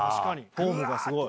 フォームがすごい。